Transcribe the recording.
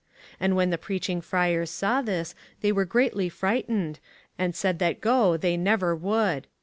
^ And when the Preaching Friars saw this they were greatly frightened, and said that go they never would.